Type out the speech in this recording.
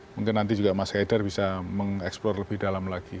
mungkin nanti juga mas haidar bisa mengeksplor lebih dalam lagi